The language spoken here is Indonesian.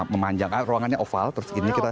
memanjang ruangannya oval terus gini kita